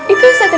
itu ustad ridwan